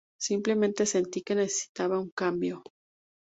Simplemente sentí que necesitaba un cambio".